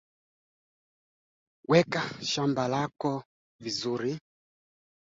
Washtakiwa hao wa kiraia na pamoja na wanawake wanne, mmoja wao alikamatwa mwezi uliopita akiwa na risasi.